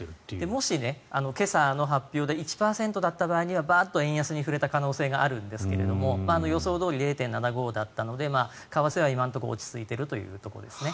もし、今朝の発表で１％だった場合にはバーッと円安に振れたあるんですけれども予想どおり０．７５だったので為替は今のところ落ち着いているというところですね。